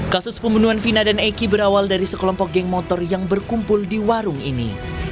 kasus pembunuhan vina dan eki berawal dari sekelompok geng motor yang berkumpul di warung ini